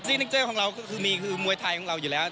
นิคเจอร์ของเราก็คือมีคือมวยไทยของเราอยู่แล้ว